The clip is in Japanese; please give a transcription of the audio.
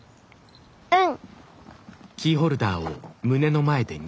うん。